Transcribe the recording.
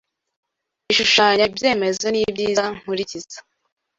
Ishushanya ibyemezo N’ibyiza nkurikiza